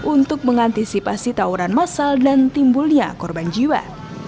untuk mengantisipasi tawuran masal dan timbulnya korban jiwa